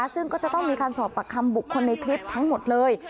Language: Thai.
ซึ่งก็จะต้องมีการสอบปากคำบุคคลในคลิปทั้งหมดเลย